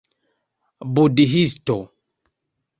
budhisto